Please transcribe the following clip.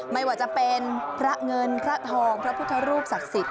ไม่ว่าจะเป็นพระเงินพระทองพระพุทธรูปศักดิ์สิทธิ